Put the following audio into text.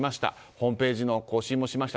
ホームページの更新もしました。